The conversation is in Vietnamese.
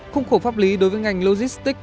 khung khổ pháp lý đối với ngành logistics